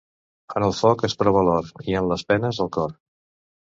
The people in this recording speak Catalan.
En el foc es prova l'or, i en les penes, el cor.